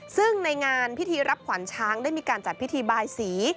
ซึ่งในงานพิธีรับขวัญช้างได้มีการจัดพิธีบายสี